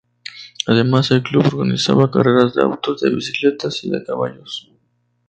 Además, el club organizaba carreras de autos, de bicicletas y de caballos.